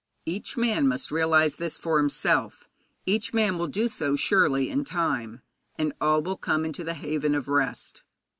Each man must realize this for himself, each man will do so surely in time, and all will come into the haven of rest.